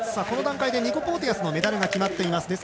この段階でニコ・ポーティアスのメダルが決まっています。